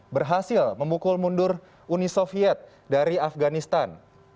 berhasil memukul mundur uni soviet dari afganistan